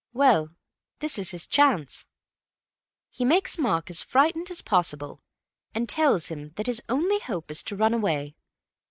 Well, this is his chance. He makes Mark as frightened as possible, and tells him that his only hope is to run away.